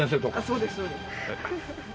そうですそうです。